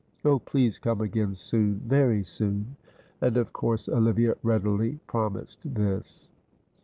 Oh, please come again soon very soon," and of course Olivia readily promised this.